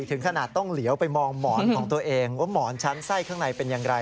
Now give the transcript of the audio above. ถึงขนาดต้องเหลียวไปมองหมอนของตัวเองว่าหมอนชั้นไส้ข้างในเป็นอย่างไร